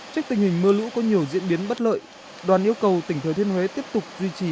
trách tình hình mưa lũ có nhiều diễn biến bất lợi đoàn yêu cầu tỉnh thừa thiên huế tiếp tục duy trì